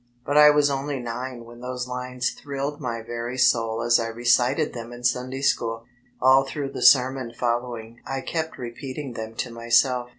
But I was only nine when those lines thrilled my very soul as I recited them in Sunday School. All through the sermon following I kept repeating them to myself.